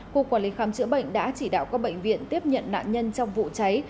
cục quản lý khám chữa bệnh đã chỉ đạo các bệnh viện tiếp nhận nạn nhân trong vụ cháy